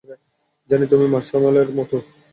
Johnny, তুমি মার্শম্যালোর মতো।